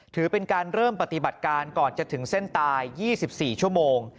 ถือเป็นการเริ่มปฏิบัติการก่อนจะถึงเส้นตาย๒๔ชั่วโมง